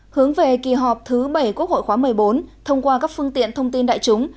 hướng về kỳ họp thứ bảy quốc hội khóa một mươi bốn thông qua các phương tiện thông tin đại chúng